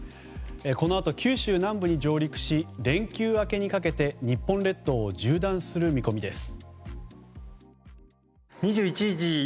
このあと九州南部に上陸し連休明けにかけて日本列島を縦断する見込みです。